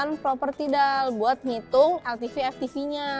dan proper tidal buat ngitung ltv ftv nya